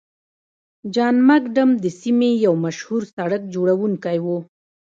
جان مکډم د سیمې یو مشهور سړک جوړونکی و.